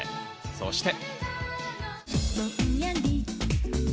そして。